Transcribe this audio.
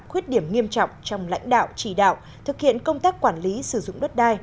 khuyết điểm nghiêm trọng trong lãnh đạo chỉ đạo thực hiện công tác quản lý sử dụng đất đai